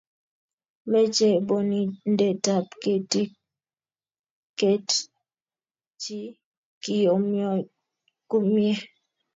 mechei bonindetab ketik ket chi kiyomyo kumye